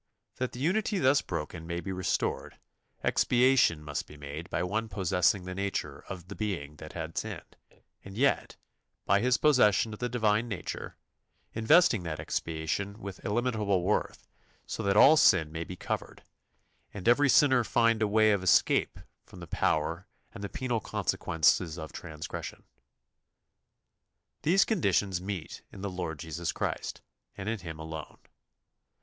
That the unity thus broken may be restored, expiation must be made by one possessing the nature of the being that had sinned, and yet, by His possession of the Divine nature, investing that expiation with illimitable worth, so that all sin may be covered, and every sinner find a way of escape from the power and the penal consequences of transgression. These conditions meet in the Lord Jesus Christ and in Him alone.